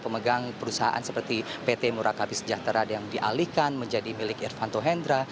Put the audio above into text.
pemegang perusahaan seperti pt murakabi sejahtera yang dialihkan menjadi milik irvanto hendra